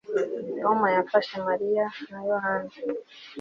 Tom yafashe Mariya na Yohana